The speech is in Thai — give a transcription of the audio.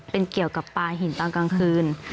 เป็นเกี่ยวกับปลาหินตอนกลางคืน